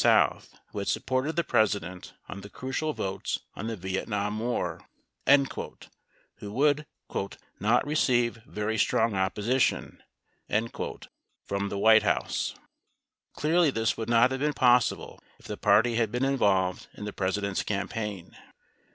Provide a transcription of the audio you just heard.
1214 South, who had supported the President on the crucial votes on the Vietnam war," who would "not receive very strong opposition" from the White House. 0 Clearly this would not have been possible if the party had been involved in the President's campaign.